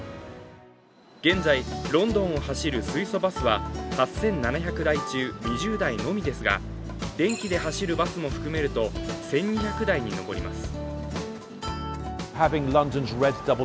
現在ロンドンを走る水素バスは８７００台中、２０台のみですが電気で走るバスも含めると１２００台に上ります。